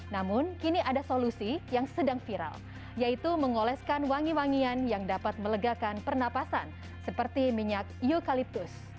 namun kini ada solusi yang sedang viral yaitu mengoleskan wangi wangian yang dapat melegakan pernapasan seperti minyak eukaliptus